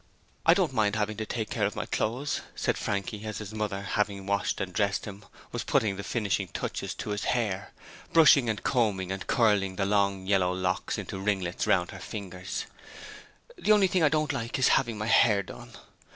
'I don't mind having to take care of my clothes,' said Frankie as his mother having washed and dressed him, was putting the finishing touches to his hair, brushing and combing and curling the long yellow locks into ringlets round her fingers, 'the only thing I don't like is having my hair done.